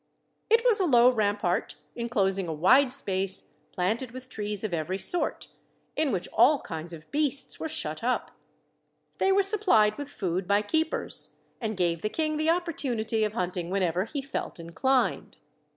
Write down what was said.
It was a low rampart, enclosing a wide space planted with trees of every sort, in which all kinds of beasts were shut up; they were supplied with food by keepers, and gave the king the opportunity of hunting whenever he felt inclined.